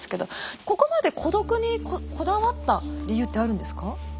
ここまで孤独にこだわった理由ってあるんですか？